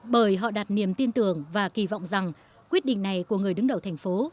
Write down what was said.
bởi họ đặt niềm tin tưởng và kỳ vọng rằng quyết định này của người đứng đầu thành phố